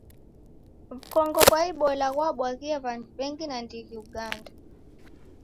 W'ukongo ghwa Ibola ghwabwaghie w'andu w'engi nandighi Uganda.